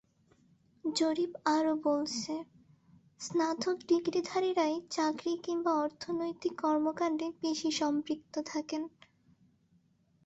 জরিপ আরও বলছে, স্নাতক ডিগ্রিধারীরাই চাকরি কিংবা অর্থনৈতিক কর্মকাণ্ডে বেশি সম্পৃক্ত থাকেন।